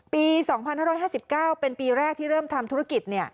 ปี๒๕๕๙เป็นปีแรกที่เริ่มทำธุรกิจ